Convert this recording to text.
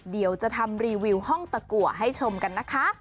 เดี๋ยวจะทำรีวิวห้องตะกัวให้ชมกันนะคะ